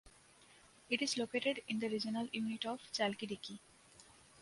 It is located in the regional unit of Chalkidiki.